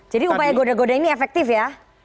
jadi upaya goda goda ini efektif ya